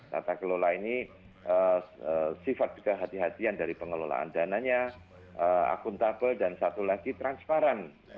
tata kelola ini sifat kehatian dari pengelolaan dananya akuntabel dan satu lagi transparan